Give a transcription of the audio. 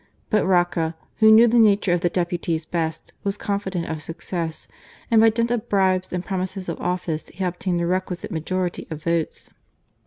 But Roca, who knew the nature of the deputies best, was confident of success, and by dint of bribes and promises of office he obtained the requisite majority of votes.